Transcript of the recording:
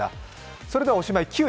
それではおしまい、９位。